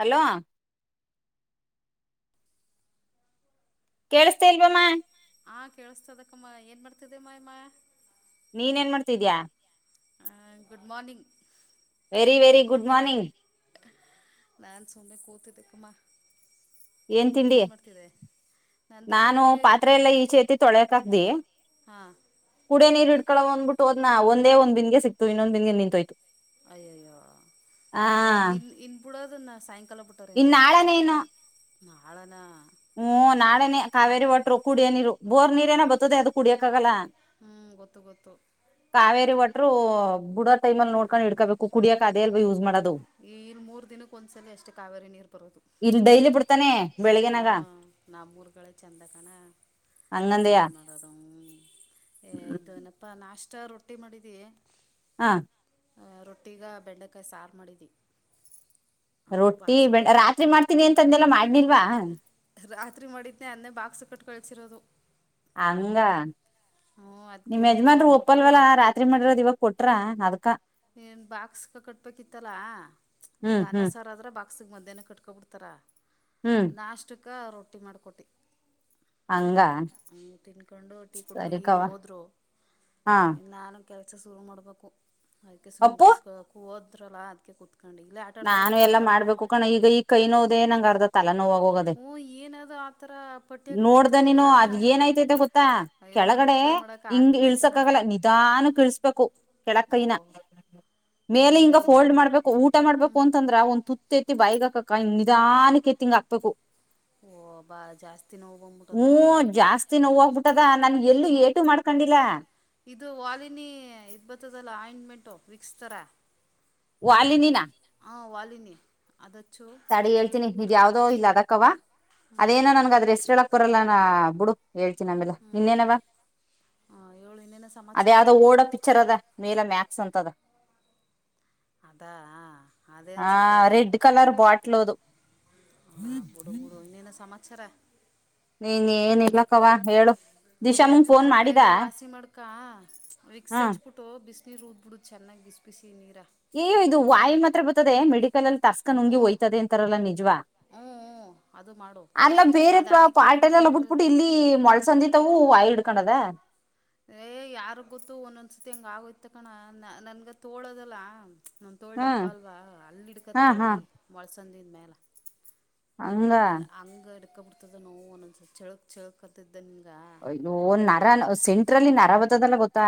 Hello ಕೇೇಳಸ್ತೇ ಇಲಾವಮ್ಮ ಹಾ ಕೇಳಿಸತದಕ್ಕಮ್ಮ ಏನ್ ಮಾಡ್ತಿದ್ದಮ್ಮಮ್ಮ ನೀನ್ ಏನ್ ಮಾಡಾತಿದ್ಯಾ ಹ good morning very very good morning ನಾನ ಸುಮ್ನೆ ಕೂತಿದ್ದೆ ಕುಮ್ಮ ಏನ್ ತಿಂಡಿ ನಾನು ಪಾತ್ರೆ ಎಲ್ಲಾ ಈಚೇತಿ ತೊಳಕಕ್್ದಿ ಕುಡ ನೀರ್ ಇಡ್ಕಳವ ಅಂದ್ಬಿಟ್ಟು ತೋದ್ಾ ಒಂದೇಂದ್ ಬಿಂದಿಗೆ ಸಿಕ್ತು ಇನ್ನೊಂದ್ ಬಿಂದಿಗೆ ನಿಂತ್ಯೋತು [unintelligible] ಅಯ್ಯೋ ಆಗ ಇನ್ ಇನ್ ಬಿಡೋದಿನ್ನ ಸಾಯ್ ಇನ್ನಾಳನೇನು ನಾಳನಾ ಹ್ಮ್ ನಾಳೆನೇ ಕಾವೇರಿ ವಾಟ್ರು ಕುಡಿಯೋ ನೀರು ಬೋರ್ ನೀರ್ರೇನ ಬತ್ತತದೆ ಅದ ಕುಡಿಯಕ್ಕಾಗಲ್ಲಾ ಹ್ಮ್ ಗೊತ್ತು ಗೊತ್ತು [unintelligible] ಬುಡ ಟೈಮಲ್ಲಿ ನೋಡ್ಕೊಂಡ ಹ ಇಡ್ಕಬೇಕು ಕುಡಿಯಕ ಅದದೆ ಎ ಯೂಸ್ ಮಾಡೋದು ಈ ಇಲ್ಲಿ ಮೂರ್ ದಿನಕ್ಕ ಒಂದ್ಸಲ ಅಷ್ಟೇ ಕಾವೇರಿ ನೀರ್ ಬರೋದು ಹಾ ನಮ್ಮೂರುಗಳೇ ಚೆಂದಕಣ ಏನ್ ಮಾಡೋದು ಇದ ಏನಪ್ಪ ನಾಷ್ಟ ರೊಟ್ಟಿ ಮಾಡಿದೀವಿ ಹಾ ಅ ರೊಟ್ಟಿಗ ಬೆಂಡೆಕಾಯಿ ಸಾರು ಮಾಡಿದ [inaudible] ರೊಟ್ಟಿ ಬೆಂಡ ರಾತ್ರಿ ಮಾಡ್ತೀನಿ ಅಂತ ಅದನೆಲ್ಲ ಮಾಡನಿಲ್ವಾ ಖಾತ್ರಿ ಮಾಡಿದ್ದ್ೆ ಅದನ್ನೇ ಬಾಕ್ಸ್ ಕಟ್ಟಟ್ ಕಳಿಸಿರೋದು ಹಂಗ ನಿಮ್ಮ್ ಯಜಮಾನ್ರು ಒಪ್ಪಲ್ವಲ್ಲ ರಾತ್ರಿ ಮಾಡಿರದ ಇವಾಗ ಕೊಟ್ರ ಅದಕ್ಕಾ ನ್ ಬಾಕ್ಸ್ ಕಟ್ಬೇಕಿತ್ತಲ್ಲಾ ಈಗ ಅನ್ನ ಸಾರ್ದ್ರ ಬಾಕ್ [inaudible] ಮದಹೇನ ಕಟ್ಕೊಬಿಡ್ತಾರ ನಾಷ್ಟ ಕಕ್ಕ ರೊಟ್ಟಿ ಮಾಡ್ಕೊಟ್ಟು ಹ ತಿನ್ಕೊಂಡು ಟೀ ಕುಡ್ಕೊ ಈಗ ಹೋದ್ರು ನಾನು ಕೆಲಸ ಶುರು ಮಾಡಬೇಕು [inaudible] [inaudible] ನಾನು ಎಲ್ಲ ಮಾಡ್ಬೇಕು ಕಣ ಈಗ ಈ ಕೈ ನೋದೆೇ ನಂಗ್ ಅರ್ದತ್ ಎಲ್ಲೋೋಗದೆ ನೋಡ್ದ ನೀನು ಅದ ಏನಐತೈತೆ ಗೊತ್ತಾ ಕೆಳಗಡೆ ಹಿಂಗ ಇಳ್ಸಕ್ ಆಗಲ್ಲ ನಿಧಾನ ಇಳ್ಸ್ಬೇಕು ಕೆಳ ಕೈನ ಮೇಲೆ ಹಿಂಗ ಫೋಲ್ಡ್ ಮಾಡ್ಬೇಕು ಊಟ ಅಂತಂದ್ರ ಒ ಕುಪ್ತ ಎತ್ತಿ ಬೈಗಕ್ಕಕ್ಕ ನಿಧಾನಕ್ಕೆ ಎತ್ತಿಂಗ ಅಪ್ಪಕ್ಕ ಓ ಬಾ ಜಾಸ್ತಿ ನೋ ಬಂದ್ಬಿಟದ ಇದು ವಾಲಿನಿ ಇಬತ್ತದಲ್ಲ ಆಿಂ್ಮೆಂಟ್ ಂಟೋ ವಿಕ್ಸ್ತರಾ ವಾಲಿನಿಿನ ಹಾ ವಾಲಿನಿ ಅದಚ್ಚು ತಡಿ ಹೇಳ್ತೀನಿ ಯಾವ್ದೋ ಇಲ್ಲ ಅದಕ್ಕವಾ ಅದೇನೋ ನನ್ಗ ಹೆಸರು ಅಂತಾರಲ್ಲ ಹ ಬುಡು ಹೇಳು ಚಿನ್ನ ಅಮೇಲೆ ನಿನ್ನೇನವ ಅದೇ ಯಾವದೋ ಓಡೋ ಪಿಕ್ಚರ್ ಅದ ಮೇಲೆ ಮ ಸಂತದ ಅದಾ ಅದೇನ್ಸುತ್ತ ಅದು ಲದು ಮತ್ಸರ ನೀ ನೀ ಏನಿಲ್ಲ ಅದೇ ಅದನ್ನ ಬೇಗ ವಾಸಿ ಮಾಡ್ಕಾ ಕ್ಸ್ ಹಚ್ಬಿಟ್ಟು ಬಿಸ್ ಹದ್ ಬಿಡು ಚೆನ್ನಾಗಿ ಇಿಸಪಿಸಿ ಏ ಇದು ವಾಯು ಮಾತ್ರ ಬರ್ತದೆ ಮಿಡ ಲ್ಲಿ ತಸ್ಕ ನುಂಗಿ ಹಯ್ತದೆ ಅಂತಾರಲ್ಲ ನಿಜ್ವ ಅಲ್ಲ ಬೇರೆ ಪಾರ್ಟಲ್ಲಲ್ಲ ಬಿಟ್ಬಿಟ್ಟು ಇಲ್ಲಿ ಮೊಳಸಂದಿತವು ಆಯಡ್ ಕಣದ ಏ ಯಾರ ಗೊತ್ತು ಒಂದೊಂದ್ಸತಿ ಹಂಗ ಆಗೋಯ್ತ ಕಣ ನ ನನ್ಗೆ ತೋಳೋದಲ್ಲ ನಂದ ತೋಳ್ದಪ್ಪ ಅಲ್ವಾ ಅಲ್ಲಿ ಹಿಡ್ಕತ್ತ ವಾಯಿ ಬಳ್ಸ ಅಲ್ಲ ಅಂಗ ಅಕ್ಕ ಬಿಡ್ತದ ನೋವು ಒಂದಸ ಚಳಕ್ ಚಳಕ ಅತಿದ್ದ ನಿಮ್ಗ ನರ ಸೆಂಟ್ರಲ್ಲಿ ನರಾವತದಲ್ಲ ಗೊತ್ತ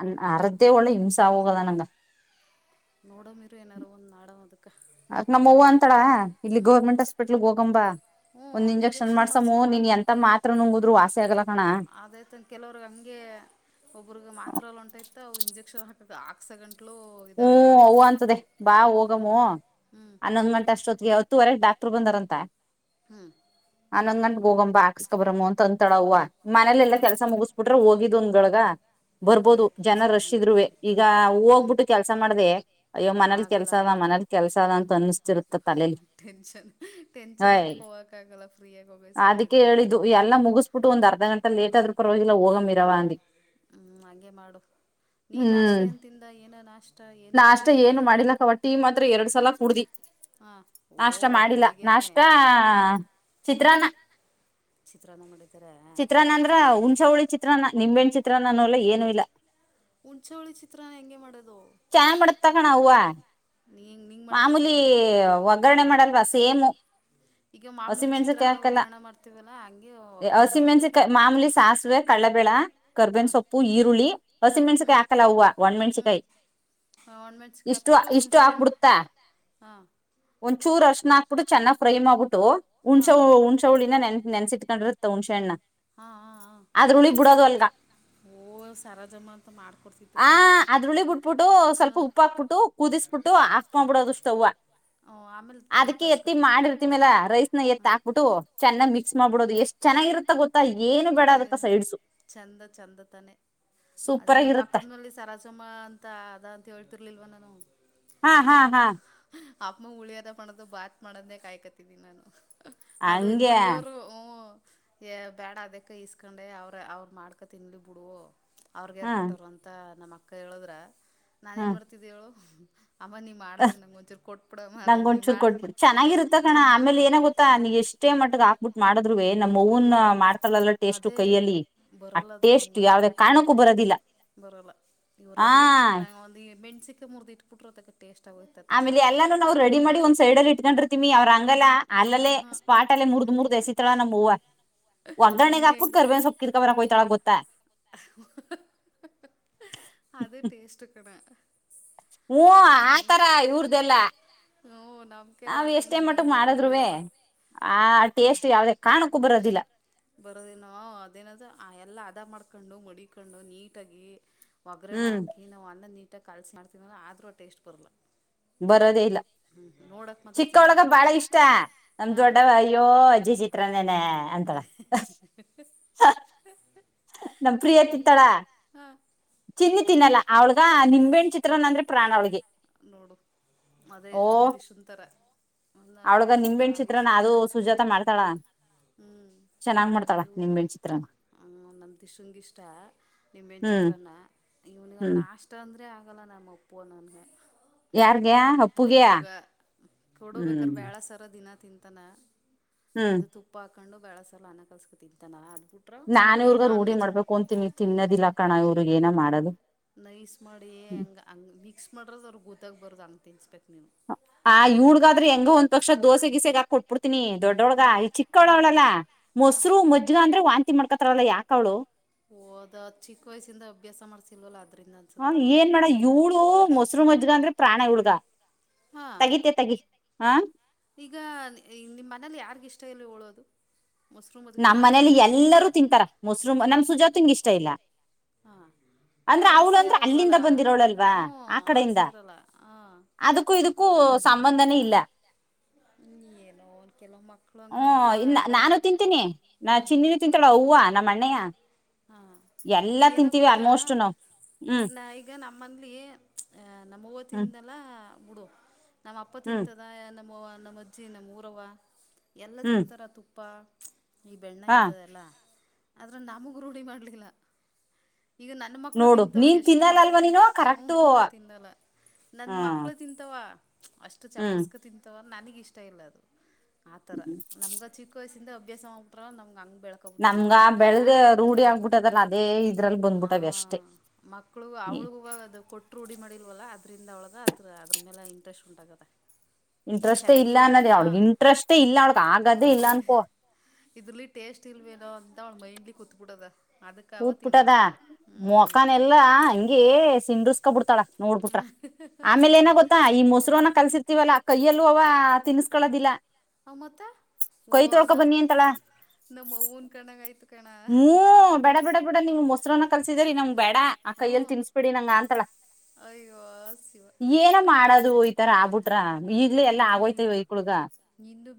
ಅ ಮತ್ತೆ ಒಳ್ಳೆ ಹಿಂಸಾ ಹೋಗದ ನಂಗ ನೋಡೋ ಮಿರು ಏನಾರು ಒಂದ್ ನಾಡ ಒ ಅ ನಮೂವ ಅಂತಾಳ ಇಲ್ಲಿ ಗೌರ್ಮೆಂಟ್ ನಮ್ಮವ್ವ ಹಸ್ಪಿಟ್ಲ್ವ್ ಹೋಗಂಬ ಒಂದ್ ಇಂಜೆಕ್ಷನ್ ಮಾಡ್ಸಮ್ಮ ನೀನ್ ಎಂತ ಮಾತ್ರ ನುಂಗುದ್ರು ವಾಸಿ ಆಗಲ ಕಣ ಆಕ್ ಸೆಕೆಂಟ್ ಲ ಹ್ಮ ಅ ಅಂತದೆ ಬಾ ಹೋಗಮ್ಮ ಹನ್ನೊಂದ್ ಗಂಟ ಅಷ್ಟೊತ್ತಿಗೆ ಯಾವತ್ತು ಹತ್ತವರೆಗೆ ಡಕ್ರ್ ಬಂದರಂತ ಹ್ಮ್ ಹನ್ನಂದ್ ಗಂ ಗೋಗಂಬ ಹಾಕ್ಸ್ಕೊಬ್ರಮ್ ಅಂತ ಅಂತಾಳವ ಮನೇಲೆಲ್ಲ ಕೆಲಸ ಮುಗಿಸ್ಬಿಟ್ರೆ ಹೋಗಿದ್ದ ಇದೊಂದೊಳಗ ಬರ್ಬೋದು ಜನ ರಶಿದ್ರುವೆ ಈಗ ಹೂ ಹೋಗ್ಬಿಟ್ಟು ಕೆಲಸ ಮಾಡ್ದ ಅ್ಯ್ ಮನಲಿ ಕೆಲ್ಸ ಅದ ಮನಲಿ ಕೆಲಸ ಅದ ಅಂತ ಅನ್ಸ್ತ ತಲೆ ಹಯ್ ಅದಕ್ಕೆ ಹೇಳಿದ್ದು ಎಲ್ಲ ಮುಗಿಸ್ಬಿಟ್ಟು ಒಂದ್ ಅರ್ಧ ಗಂಟೆ. ಲೇಟ್ ಆದ್ರೂರವಾಗಿಲ್ಲ ಹೋಗಂಗಿರವ ಅಂದಿ. ಹ್ಮ್ ಹಾಗೆ ಮಾಡು ನೀನ್ ನಾಷ್ಟಾ ಎಂತಿಂದ ಏನು. ನಾಷ್ಟ ಏನು ಮಾಡಿಲ್ಲ ಕವಾಟ್ಟಿ ಮಾತ್ರ ಎರಡ್ ಸಲ ಕುಡ್ದಿ ನಾಷ್ಟ ಮಾಡಿಲ್ಲ ನಾಷ್ಟ ಚಿತ್ರಾನ್ನ ಚಿತ್ರಾನ್ನ ಅಂದ್ರ ಹುಣಸ ಹುಳಿ ಚಿತ್ರಾನ್ನ. ನಿಂಬೆಣ್ ಚಿತ್ರ ನಾನೂಲ್ಲ ಏನು ಇಲ್ಲ. ಹುಣಶಾವಳಿ ಚಿತ್ರ ಹೆಂಗೆ ಮಾಡದು. ಚನ್ನ್ ಮಾಡತ್ ಕಣ ಅವ್ವ ಮಾಮೂಲಿ ಒಗ್ಗರಣೆ ಮಾಡಲ್ವ ಸೇಮು ಹಸಿಮೆಣಸಿಕಯಿ ಹಾಕಲ್ಲ ಹಸಿ ಮೆಣಸಿಕ ಮಾಮೂಲಿ ಸಾಸಿವೆ ಕಳ್ಳಬೇಳ ಕರ್ಬೇಿನ ಸೊಪ್ಪು ಈರುಳ್ಳಿ. ಹಸಿ ಮೆಣಸಕಾಯ ಹಾಕಲ್ಲ ಹಾವ್ವಾ ಒಣ್ಣ ಮೆಂನ್ಸಿಕಾಯಿ. ಒಂಮೆಂಚಿಕಾಯಿ ಹಾಕ್ಬಟ್ಟ್ ಉಂಶೇನ್ನು ಹಾ. ಒಂದ ಚೂರ್ ಅರ್ಶನ ಹಾಕ್ಬಿಟ್ಟು ಚೆನ್ನಾಗ ಫ್ರೈ ಮಾಡಬಟ್ಟು. ಹುಣಸೆ ಹುಣಸೆ ಹುಳಿ ನಾ ನೆನ್ ನೆನ್ಸಿಕಂದಿರ್ತಾ ಉಂಶೇನ್ನ ನಾ. ಹಾ ಹ ಹ ಓ ಸರೋಜಮ್ಮ ಅಂತ ಮಾಡ್ಕೊಡ್ತಿತ್ತು ಕಣಪ್ಪಾ. ಹಕ್ಬಿಟ್ಟು ಸ್ವಲ್ಪ ಉಪ್ಪ ಹಾಕ್ಬಿಟ್ಟು ಕುದಿಸ್ಬಿಟ್ಟು ಹಾಕ್ ಮಾಡ್ಬಿಡೋದು ಸ್ಟವ್ವ ಅದಕ್ಕೆ ಎತ್ತಿ ಮಾಡಿರ್ತಿ ಮೇಲ ರೈಸ್ ನ ಎತ್ತಿ ಹಾಕ್ಬಿಟ್ಟು ಚೆನ್ನಾಗ್ ಮಿಕ್ಸ್ ಮಾಡ್ಬಿಡೋದು ಎಷ್ಟು. ಚೆನ್ನಾಗಿರುತ್ತ ಗೊತ್ತ ಈ. ಹ್ಮ ಚಂದ ಚಂದ ತಾನೆ ಅದೇ ನಮ್ಮ ಪಕ್ಕದ ಮನ್ಲಿ ಸರಾಸಮ್ಮ ಅಂತ. ಅತ್ತಾ ಅದ ಅಂತ ಹೇಳ್ತಿರ್ಲಿಲ್ವ ನಾನು. ಹಾ ಹಾ ಹಾ. ಆಪ್ಉಳಿಯದ ಪಣೋದು ಬತ್ ಮಾಡೋದನೆ ಕಾಯ್ಕ್ತಿ ದಿ ನಾನು. ಅದು ಬಯ್ಯೋರ ಹುಮ್ಮ್. ಹ್ಯಾ ಬೇಡ ಅದ. ಕ ಇಸ್ಕೊಂಡೆ ಅವ್ರ ಅವ್ರು ಮಾಡ್ಕೊ ತಿನ್ಲಿ ಬಿಡು. ಅವ್ರಗ್ಯಾರ ಕೊಟ್ಟರು ಅಂತ ನಮ್ಮಕ್ಕ. ಕೇಳುದ್ರಾ. ನಾನ ಏನ್ ಮಾಡ್ತಿದ್ದೆು ಯೋಳು. ಹ್ಮ್ ನಂಗೊಂದಚೂರು ಕೊಟ್ಬಿಟ್ಟ ಚೆನ್ನಾಗಿರುತ್ತ ಕಣ ಆಮೇಲೆ ಏನ ಗೊತ್ತಾ ನಿಗ್ ಎಷ್ಟೇ ಮಟ್ಟಗ ಹಾಕ್ಬಿಟ್ಟು ಮಾಡ. ನಮ್ಮವ್ವ್ನ್ ಮಾಡ್ತಲ್ಲಲ್ಲ ಟೇಸ್ಟ್ ಕೈಯಲ್ಲಿ ಆ ಟೇಸ್ಟ್ ಯಾವದೇ ಕಣಕ್ಕೂ ಬರದಿಲ್ಲ ಆ ಮೂರ್ದುಇತಪುಪುಟ್ಟರು ಆಮೇಲೆ ಎಲ್ಲಾನು ನಾವ್ ರೆಡಿ ಮಾಡಿ ಒಂದ್ ಸೈಡ್ ಅಲ್ಲಿ ಇಟ್ಕೊಂಡ್ರರ್ತೀಮಿ ಅವ್ರ ಹಂಗಲ್ಲ ಅಲ್ಲೇ ಸ್ಪಾಟ್ ಅಲ್ಲೇ ಮುರ್ದ ಮುರ್ದ್ ಎಸಿಥಳನಮ್ ಅವ್ವ್. ಹೂ ಒಗ್ಗರಣೆಗೆಗಾಕ್ ಬಿಟ್ ಕರ್ಬೇವ್ ಸೊಪ್ ಕಿತ್ಕಬರಕ್ಕೋಯ್ತಾಳ ಗೊತ್ತಾ ಅದು ಟೇಸ್ಟು ಕ [unintelligible] ಹ ಆತರ ಇವ್ರದೆಲ್ಲ ನಾವ್ ಎಷ್ಟೇ ಮಟ್ಟಕ್ ಮಾಡದ್ರುವೇ ಆ ಟೇಸ್ಟ್ ಯಾವ್ದೇ ಕಾಣಕ್ಕೂ ಬರದಿಲ್ಲ. ಕೊಂಡು ಮಡಿಕೊಂಡು ನೀಟಾಗಿ ಒಗ್ಗರಣ ಹಾಕಿ ನಾವ್ ಅನ್ನ ನೀ [unintelligible] ಕಲ್ಸ ಮಾಡ್ತೀನಲ್ಲ ಆದ್ರೂ ಆ ಟೇಸ್ಟ್ ಬರಲ್ಲ ಬರೋದೇ ಇಲ್ಲ ಚಿಕ್ಕೊಳಗ ಬಾಳ ಇಷ್ಟ ನಮ ದೊಡ್ಡ ಅಯ್ಯೋ ಅಜ್ಜಿ ಚಿತ್ರನನೆ ಅಂತಳ ನಮ್ ಪ್ರಿಯ ತಿಂತಾಳ ಚಿನ್ನಿ ತಿನ್ನಲ್ಲ ಅವಳಗ ನಿಂಬೆಣ್ ಚಿತ್ರನ ಅಂದ್ರೆ ಪ್ರಾಣ ಅಗೆ ನೋಡು ಮದೇ ನಮ್ದಿಶುಂತರ ನಮ ದಿಶಂಗ್ ಬಾರಿ ಇಷ್ಟ ಚಿತ್ರ ಹ್ಮ್ ಅದು ಹ ನಮ ದಿಶಂಗ್ ಇಷ್ಟ ನಿಂಬೆಹಣ್ ಚಿತ್ರಾನ ಇವ್ನಿಗೆ ಅದ್ ನಾಷ್ಟ ಅಂದ್ರೆ ಗಲ್ಲ ನಮ್ ಅಪ್ಪು ಅನೋನ್ಗೆ ಅಪ್ಪುಗ ಕೊಡೋಬೇಕಾರ ಬ್ಯಾಳ ಸರ ದಿನ ತಿಂತಾನ ಅದು ತುಪ್ಪಾ ಕಂಡು ಬ್ಯಳೆಸರಲ್ಲ ಅನ್ನ ಕಲ್ಸ್ಕ ತಿಂತಾನ ಅದ್ ನಾನ್ ಇವ್ರಗ ರೂಢಿ ಮಾಡ್ಬೇಕು ಅಂತೀನಿ ತಿನ್ನೋದಿಲ್ಲ ಕಣ ಇವ್ರ್ ಏನ ಮಾಡದು ನೈಸ್ ಮಾಡಿ ಹೆಂಗ ಹಂಗ ಮಿಕ್ಸ್ ಮಾಡಿರದ್ ಅವ್ರ ಗೊತ್ತಾಗ ಬಾರ್ದ್ ಹಂಗ ತಿನ್ಸ್ಬೇಕ್ ನೀನ್ ಆ ಇವ್ಳ್ಗಾದ್ರೆ ಹೆಂಗ ಒಂದ್ ಪಕ್ಷ ದೋಸೆ ಗಿಸೆಗಾಕ ಕೊಟ್ಬಿಡ್ ನಿ ದೊಡ್ಡೊಳಗ ಈ ಚಿಕ್ಕವಳ್ ಅವ್ಳಲ್ಲಾ ಮೊಸರು ಮಜ್ಗ ಅಂದ್ರೆ ವಾಂತಿ ಮಾಡ್ಕ ತ್ರಲ್ಲ ಯಾಕ ಅವಳು ಹೋದ್ ಚಿಕ್ಕ ವಯಸ್ಸಿಂದ ಅಭ್ಯಾಸ ಮಾಡ್ಸಿಲ್ವಲ್ಲ ಅ ಹಾ ಏನ್ ಮಾಡ ಇವಳು ಮೊಸರು ಮಜ್ಗ ಅಂದ್ರೆ ಪ್ರಾಣ ಇವ್ಳಗಾ ಹಾ ಈಗ ನಿ ನಿಮ್ಮ್ ಮನೇಲಿ ಯಾರ್ಗ ಇಷ್ಟ ಇ ಳ್ಳ ಒಳೋದು ನಮ್ಮ್ ಮನೇಲಿ ಎಲ್ಲರೂ ತಿಂತಾರ ಮುಸ್ರುಮ ನಮ್ ಸುಜಾತ್ ತಂಗ್ ಇಷ್ಟ ಇಲ್ಲ ಹಾ ಅವಳು ಸೇರಲ್ವಲ್ಲಾ ಹ ಅವಳ ಸೇರಲ್ಲ ಹ ಹ್ಮ ಏನೋ ಕೆಲವ ಮಕ್ಳುಂಗ ನಮ್ ಹೂವ ನಮ್ ತಿಂತೀನಿ ನಾ ಚಿನ್ನಿನ ತಿಂತಾಳ ಹೂವ ನಮ್ಮ ಅಣ್ಣಯ್ಯ ಎಲ್ ಏನ ಗೊತ್ತಾ ನ ಈಗ ನಮ್ಮಲ್ಲಿ ಅಹ ನಮ್ಮ ತ್ತಿಂದಲ್ಲ ಮೂಡೋ ನಮ್ಮ್ ಅಪ್ಪ ತಿಂತದ ನಮ್ಮವ ನಮ್ಮ ಅಜ್ಜಿ ನಮ್ಮ್ ಊರವ ಎಲ್ಲ ತಿತ್ತಾರ ತುಪ್ಪ ಈ ಬೆಣ್ಣ ಇಂತದಲ್ಲ ಅದ್ರ ನಮಗ ರೂಢಿ ಮಾಡ್ಲಿಲ್ಲ ಈಗ ನನ್ನ ಮಕ್ಳು ತಿಂತಾವ ಎಷ್ಟು ಮಟ್ಟಕ್ಕೆ ತಿನ್ ಹ್ಞ ಹ ನಾ ತಿಿಂದಲ್ಲ ನನ್ ಮಕ್ಳು ತಿಂತಾವ ಅಷ್ಟು ಚಪರಸ್ಕ ತಿಂತವ ನನಗಿಷ್ಟ ಇಲ್ಲ ಅದು ಆತರ ನಮ್ಗ ಚಿಕ್ಕ ವಯಸ್ಸಿಂದಬ್ ಅಭ್ಯಾಸ ಮಾಡಬಿಟ್ರ ನಮ್ ಅಂಗ ನಮ್ಗ ಬೆಳ್ದ ರೂಢಿ ಆಗ್ಬಿಟ್ಟದಲ್ಲ ಅದೇ ಇದು ಆ ಮಕ್ಳುಗ ಅವ್ಳಗುವಾಗ ಅದು ಕೊಟ್ಟರು ರೂಡಿ ಮಾಡಿಲ್ವಲ್ಲ ಅದರಿಂದ ಒಳಗೆ ಅದ್ರ ಅದ್ರ ಮೇಲೆ ಇಂಟ್ರೆಸ್ಟ್ ಉಂಟಾಗದ ಇಂಟ್ರೆಸ್ೇ ಇಲ್ಲ ಅನ್ನೋದೇ ಅವಳಗ್ ಇಂಟ್ರೆಸ್ಟೇ ಇಲ್ಲ ಅವಳಗ್ ಆಗದೇ ಇಲ್ಲ ಅನ್ಕೋ ಅವಳ ಮೈಂಡ್ಲಿ ಕೂತ್ಬಿಟ್ಟದ ಅದಕ್ಕಾವ ಪುಟದ ಮೊಖನ್ ಎಲ್ಲಾ ಹಂಗಗೆ ಸಿಂಡ್ರಸ್ಕ ಬಿಡ್ತಾಳ ನೋಡ್ಬಿಟ್ರ ಆಮೇಲೆ ಏನ ಗೊತ್ತಾ ಈ ಮೊಸರುವನ್ನ ಕಲ್ಸಿರ್ತಿೀವಲ್ಲಾ ಕೈಯಲ್ಲೂ ಅವ ತಿಸಕೊಳ್ಳೋದಿಲ್ಲ ಆ ಮತ್ತ ಓ ನ ನಮ್ಮ ಅವ್ವನ ಕಣ್ಣಂಗ ಆಯ್ತು ಹೂ ಬೇಡ ಬೇಡ ಬಿೇಡ ನಿಂಗ್ ಮೊಸರನ್ನ ಕಲ್ಸಿದರಿ ನಂಗ ಬೇಡ ಆ ಕೈಯಲ್ಲಿ ತಿನ್ಸ್ಬಿಡಿ ನಂಗ ಅಂತಲ ಏನ ಮಾಡದು ಈತರ ಆಗ್ಬಿಟ್ರ ಈಡ್ಲೆ ಎಲ್ಲ ಆಗೋಯ್ತೇವಿ ಈಕ್ಳಗ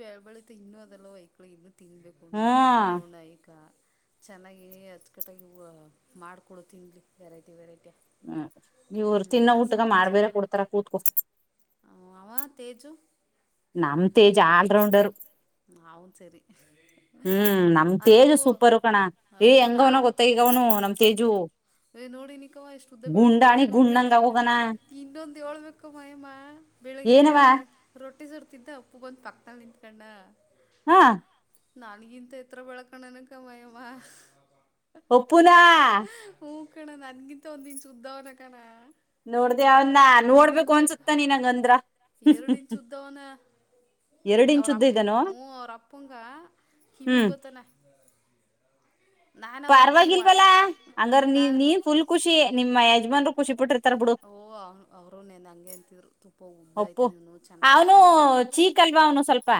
ಬೆಳ್ ಬೆಳೀತಾ ಇನ್ನುೂ ಅದೆಲ್ಲ ಹೈಕ್ಳಗೆ ಇನ್ನು ತಿನ್ಬೇಕು ಉಣ್ಬೇಕು ತಿನ್ನೋಣಾಯಕ ಚೆನ್ನಾಗಿ ಅಚ್ಕಟ್ಟಾಗಿ ಮಾಡ್ಕೊಡ ತಿನ್ಲಿ ವೆರೈಟಿ ವೆರೈಟಿ ಹ್ಮ್ ನೀವರು ತಿನ್ನೋ ಊಟಗ ಮಾಡ್ಬೇರೆ ಕೊಡ್ತಾರ ಕೂತ್ಕೋ [unintelligible] ನಮ್ ತೇಜ್ ಆಲ್ರೌಂಡರು ಅವನ ಸರಿ ಅಹ ಅದು ಹ ನಾವು ನೋಡಿ ಇನಿಕವ್ ಎಸ್ಟು ಉದ್ದ ಬೆಳಕಣದು ಗಂಡು ಇನ್ನೊಂದ ಏಳ್ಬೇಕೂ ಮಾಯಮ್ಮ ಬೆಳಿಗ್ಗೆ ರೊಟ್ಟಿ ಸುಟ್ಟ ತಿದ್ದ್ ಅಪ್ಪುಬಂದ ಪಕ್ಕದಲ್ಲಿ ನಿಂತ್ಕಂಡ್ ಹಾ ನನ್ಗಿಂತ ಎತ್ರ ಬೇಲ್ಕಂಡನ್ನ್ ಕಾಯಮ್ಮ ಹ ಕಣ್ಣ ನನ್ಗಿಂತ ಒಂದ ಇಂಚ ಉದ್ಧ ಅವ್ನಕಣ ಒಂದ್ ಇಂಚಕ ಎರಡು ಇಂಚ ಉದ್ದವನ ಅವ್ರ ಅಪ್ಪ ಹ್ಮ ಅವ್ರಪ್ಪಂಗ ಕಿವಗ್ ಬತಾನೆ ಪರವಾಗಿಲ್ವಲ್ಲಾ ಹಂಗಾರ ನೀ ನೀನ್ ಫುಲ್ ಖುಷಿ ನಿಮ್ಮ ಯಜ್ಮಾನ್ರು ಖುಷಿ ಪಟ್ಟಿರ್ತಾರ ಬಿಡು ಅಪ್ಪು ಅವನು ಚೀಕ್ ಅಲ್ವ ಅವನು ಸ್ವಲ್ಪ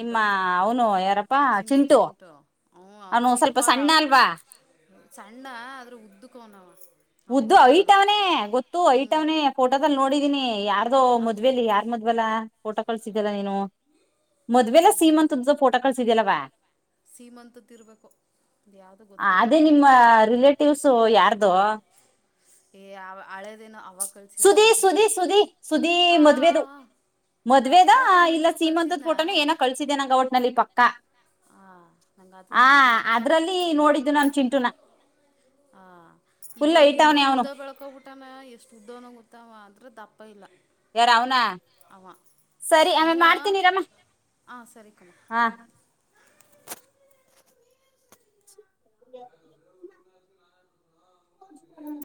ನಿಮ್ಮ ಅವನು ಯಾರಪ್ಪಾ ಚಿಂಟು ಹ ಹ ಚಿಕೂ ಅದ್ರ ಸಣ್ಣ ಅಲ್ವ ಸಣ್ಣ ಆದದ್ರ ಉದ್ದಕ ಅವ್ನ ಉದ್ದು ಹೈಟ್ ಅವನೆ ಗೊತ್ತು ಹೈಟ್ ಅವ್ನನೆ ಫೋಟೋದಲ್ಲಿ ನೋಡಿದೀನಿ ಯಾರ ಮದ್ವಿಲಿ ಯಾರ್ ಮ [unintelligible] ಫೋಟೋ ಕಳಿಸಿದ್ದಲ್ಲ ನೀನು ಮದುವೆಲ್ಲ ಸೀಮಂತದ ಫೋಟೋ ಕಲ್ಸಿದಿಯಲ್ಲವ್ ಸೀಮಂತತ್ ಇರ್ಬೇಕು ಯಾವ್ದು ಗೊತ್ತಿಲ್ಲ [unintelligible] ಯಾರ್ದು ಏ ಯಾವ ಅಳೆ ಸುದಿ ಸುದಿ ಸುದಿ ಸುದಿ ಮದ್ವೇದು ಮದ್ವೇದ ಇಲ್ಲ ಸೀಮಂತದ ಫೋಟೋನ್ ಏನ ಕಳ್ಸಿದೆ ನಂಗ ಒಟ್ನಲ್ಲಿ ಪಕ್ಕಾ ಹ ನಂಗತೂ ನೆನಪಿಲ್ಲ ಆ ಇವಾಗ ಇನ್ನು ಉದ್ದ ಬೆಳ್ಕೊಂಡ್ ಬಿಟ್ಟವನ್ನ್ ಎಷ್ಟು ಉದ್ದವನ್ ಗೊತ್ತ ಅವ ಅದ್ರ ದಪ್ಪ ಇಲ್ಲ ಯಾರ ಅವನಾ ಸರಿ ಆಮೇಲೀ ಮಾಡ್ತೀನಿರಮ್ಮ ಹಾ [inaudible] ಹ [unintelligible]